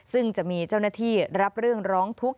ซึ่งจะมีเจ้าหน้าที่รับเรื่องร้องทุกข์